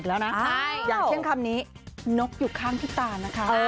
อย่างเช่นคำนี้นกอยู่ข้างพี่ตานะคะ